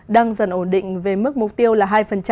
đang dần ổn định về mức mục tiêu là hai